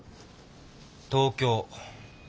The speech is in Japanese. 東京。